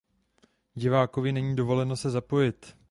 Divákovi není dovoleno se zapojit.